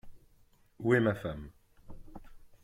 Où est ma femme ?